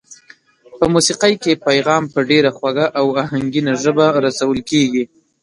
په موسېقۍ کې پیغام په ډېره خوږه او آهنګینه ژبه رسول کېږي.